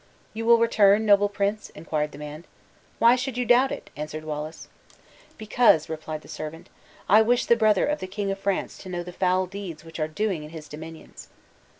"You will return, noble prince?" inquired the man. "Why should you doubt it?" answered Wallace. "Because," replied the servant, "I wish the brother of the King of France to know the foul deeds which are doing in his dominions."